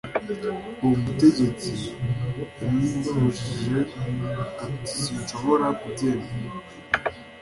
uwo mutegetsi yaramushubije ati sinshobora kubyemera